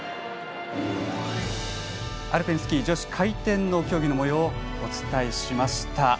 アルペンスキー女子回転の競技のもようをお伝えしました。